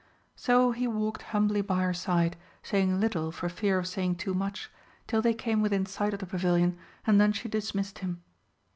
So he walked humbly by her side, saying little for fear of saying too much, till they came within sight of the Pavilion and then she dismissed him.